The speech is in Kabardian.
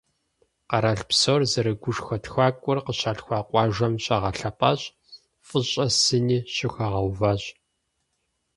Къэрал псор зэрыгушхуэ тхакӏуэр къыщалъхуа къуажэм щагъэлъэпӏащ, фӏыщӏэ сыни щыхуагъэуващ.